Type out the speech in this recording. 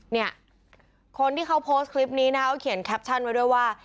เนี่ยคนที่เขาโพสต์คลิปนี้นะเขาเขียนแคปชั่นไว้ด้วยว่า